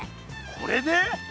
これで？